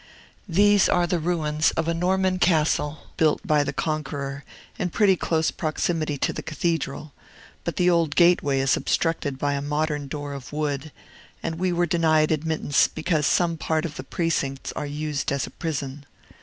There are the ruins of a Norman castle, built by the Conqueror, in pretty close proximity to the Cathedral; but the old gateway is obstructed by a modern door of wood, and we were denied admittance because some part of the precincts are used as a prison.